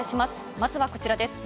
まずはこちらです。